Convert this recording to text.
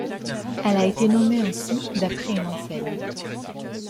Elle a été nommée ainsi d'après une enseigne.